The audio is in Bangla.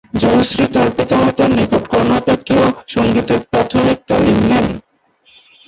জয়শ্রী তার পিতামাতার নিকট কর্ণাটকীয় সঙ্গীতের প্রাথমিক তালিম নেন।